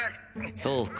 そうか。